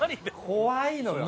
怖いのよ。